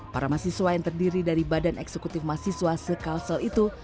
para mahasiswa yang terdiri dari badan eksekutif mahasiswa sekalsel itu